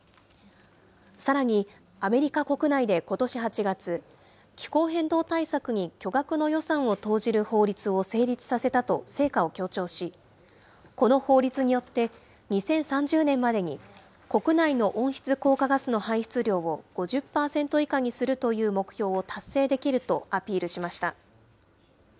さらに、アメリカ国内でことし８月、気候変動対策に巨額の予算を投じる法律を成立させたと成果を強調し、この法律によって、２０３０年までに、国内の温室効果ガスの排出量を５０％以下にするという目標を達成できるとアピールしました。